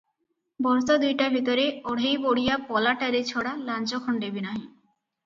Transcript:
ବର୍ଷ ଦୁଇଟା ଭିତରେ ଅଢ଼େଇ ବୋଡ଼ିଆ ପଲାଟାରେ ଛଡ଼ା ଲାଞ୍ଜ ଖଣ୍ଡେ ବି ନାହିଁ ।